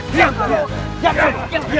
diam diam diam